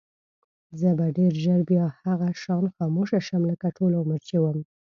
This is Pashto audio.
زه به ډېر ژر بیا هغه شان خاموشه شم لکه ټول عمر چې وم.